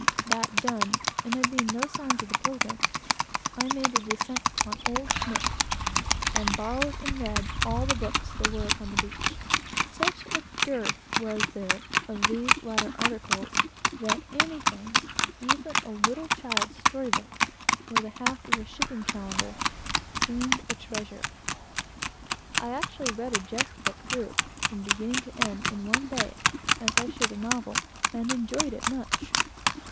That done, and there being no signs of the Pilgrim, I made a descent upon old Schmidt, and borrowed and read all the books there were upon the beach. Such a dearth was there of these latter articles, that anything, even a little child's story book, or the half of a shipping calendar, appeared like a treasure. I actually read a jest book through, from beginning to end, in one day, as I should a novel, and enjoyed it very much.